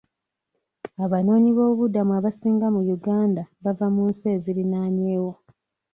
Abanoonyiboobubudamu abasinga mu Uganda bava mu nsi eziriraanyeewo.